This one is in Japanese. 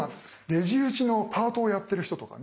レジ打ちのパートをやってる人とかね